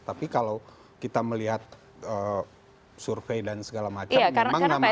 tapi kalau kita melihat survei dan segala macam memang nama